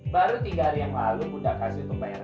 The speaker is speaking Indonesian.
baru tiga hari yang lalu bunda kasih untuk bayar